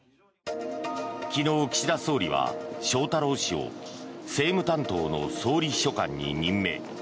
昨日、岸田総理は翔太郎氏を政務担当の総理秘書官に任命。